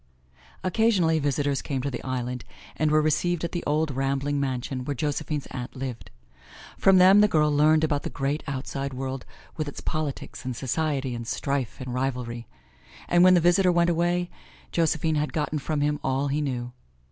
Occasionally, visitors came to the island and were received at the old rambling mansion where Josephine's aunt lived. From them the girl learned about the great, outside world with its politics and society and strife and rivalry; and when the visitor went away Josephine had gotten from him all he knew.